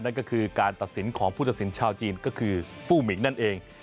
นั่นก็คือการตัดสินของผู้ตัดสินชาวจีนก็คือฟู้มิงนั่นเอง